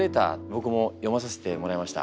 僕も読まさせてもらいました。